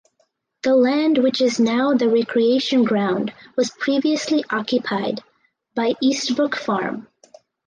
The land which is now the recreation ground was previously occupied by Eastbrook Farm.